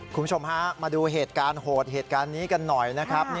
คุณผู้ชมฮะมาดูเหตุการณ์โหดเหตุการณ์นี้กันหน่อยนะครับ